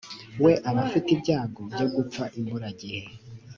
we aba afite ibyago byo gupfa imburagihe